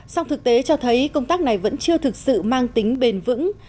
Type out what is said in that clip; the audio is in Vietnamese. song thực tế cho thấy công tác này vẫn chưa thực sự mang tính bền vững